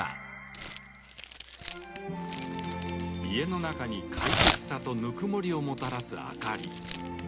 家の中に快適さとぬくもりをもたらす「あかり」。